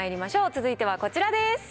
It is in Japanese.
続いてはこちらです